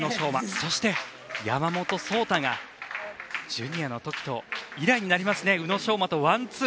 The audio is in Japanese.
そして、山本草太がジュニア以来となります宇野昌磨とワンツー。